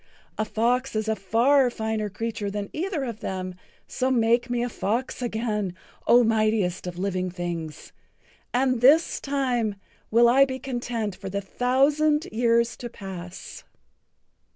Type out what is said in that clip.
A fox is a far finer creature than either of them, so make me a fox again, O mightiest of living things, and this time will I be content for the thousand years to pass."